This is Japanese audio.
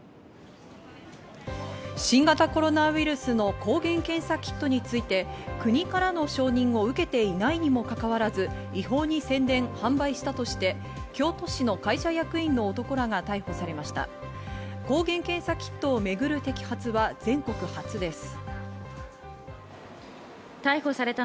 新型コロナウイルスの抗原検査キットについて、国からの承認を受けていないにもかかわらず違法に宣伝、販売したとして京都市の会社役員の男らが逮捕されました。